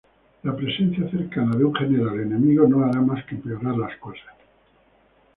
La presencia cercana de un general enemigo no hará más que empeorar las cosas.